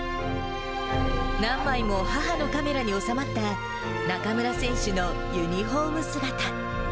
何枚も母のカメラに収まった、中村選手のユニホーム姿。